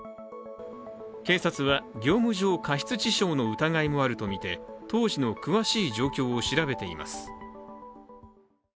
警察は業務上過失致傷の疑いもあるとみて、当時の詳しい状況を調べています。